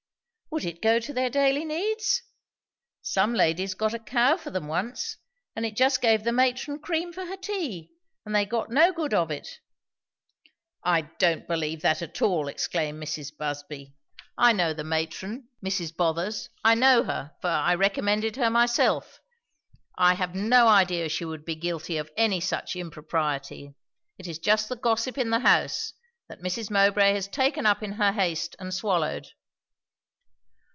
"Would it go to their daily needs? Some ladies got a cow for them once; and it just gave the matron cream for her tea, and they got no good of it." "I don't believe that at all!" exclaimed Mrs. Busby. "I know the matron; Mrs. Bothers; I know her, for I recommended her myself. I have no idea she would be guilty of any such impropriety. It is just the gossip in the house, that Mrs. Mowbray has taken up in her haste and swallowed."